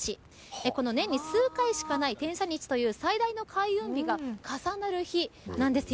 この年に数回しかない天赦日という最大の開運日が重なる日なんです。